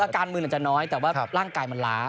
การเมืองอาจจะน้อยแต่ว่าร่างกายมันล้า